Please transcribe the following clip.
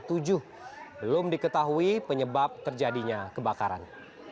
belum diketahui penyebab terjadinya kebakaran